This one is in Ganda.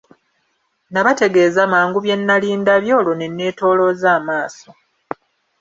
Nabategeeza mangu bye nnali ndabye, olwo ne neetoolooza amaaso.